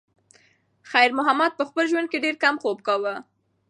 خیر محمد په خپل ژوند کې ډېر کم خوب کاوه.